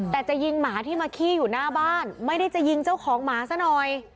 แต่จะยิงหมาที่มาขี้อยู่หน้าบ้านไม่ได้จะยิงเจ้าของหมาซะหน่อย